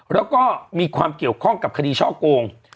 แล้วก็มีความเกี่ยวข้องกับคดีช่อโกง